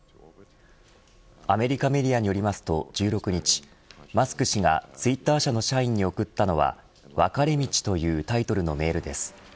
アメリカメディアによりますと１６日マスク氏がツイッター社の社員に送ったのは分かれ道というタイトルのメールです。